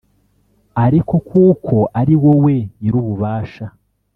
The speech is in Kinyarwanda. Ariko kuko ari wowe Nyir’ububasha,